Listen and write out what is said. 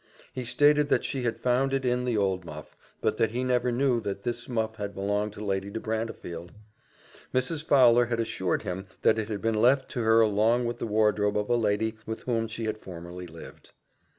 He stated that she had found it in the old muff, but that he never knew that this muff had belonged to Lady de Brantefield. Mrs. Fowler had assured Him that it had been left to her along with the wardrobe of a lady with Whom she had formerly lived.